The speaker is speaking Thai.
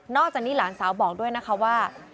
จากนี้หลานสาวบอกด้วยนะคะว่า